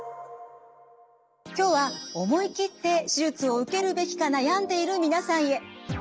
今日は思い切って手術を受けるべきか悩んでいる皆さんへ。